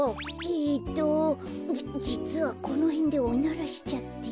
えっとじじつはこのへんでおならしちゃって。